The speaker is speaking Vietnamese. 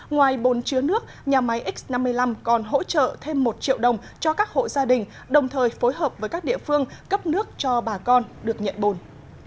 ngoài bồn chứa nước nhà máy x năm mươi năm còn hỗ trợ thêm một triệu đồng cho các hộ gia đình đồng thời phối hợp với các địa phương cấp nước cho bà con được nhận bồn